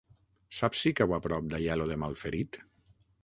Saps si cau a prop d'Aielo de Malferit?